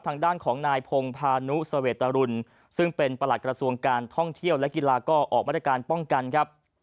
ทางด้านของนายพงพานุสเวตรุลซึ่งเป็นประหลัดกระทรวงการท่องเที่ยวและกีฬาก็ออกมาตรการป้องกันครับ